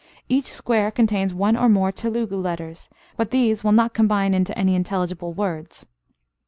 Each square contains one or more Telugu letters, but these will not combine into any intelligible words.